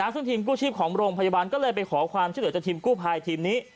ซึ่งทีมกู้ชีพของโรงพยาบาลก็เลยไปขอความช่วยเหลือจากทีมกู้ภัยทีมนี้